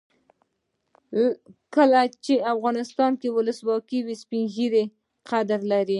کله چې افغانستان کې ولسواکي وي سپین ږیري قدر لري.